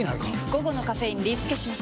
午後のカフェインリスケします！